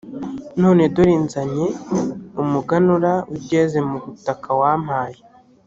none dore nzanye umuganura w’ibyeze mu butaka wampaye